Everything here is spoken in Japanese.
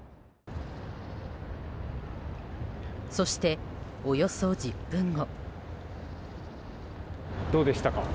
そして、およそ１０分後。